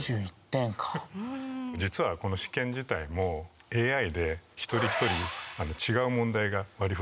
実はこの試験自体もＡＩで一人一人違う問題が割りふられたり。